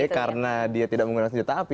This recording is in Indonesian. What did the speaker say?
karena dia tidak menggunakan senjata api